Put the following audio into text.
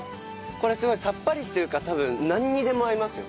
これすごいさっぱりしてるから多分なんにでも合いますよ。